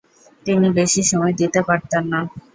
তিনি বেশি সময় দিতে পারতেন না।